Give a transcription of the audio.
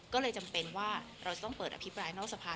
ก็เลยจำเป็นว่าเราจะต้องเปิดอภิปรายนอกสภา